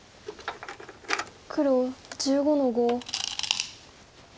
黒１５の五。